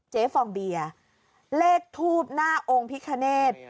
เจ๊ฟองเบียร์เลขทูปหน้าโอ้งพิษคะเนธ